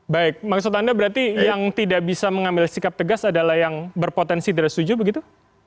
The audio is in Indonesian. baik maksud anda berarti yang tidak bisa mengambil sikap tegas adalah yang berpotensi tidak setuju begitu